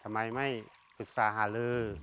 ทำไมไม่ปรึกษาหาลือ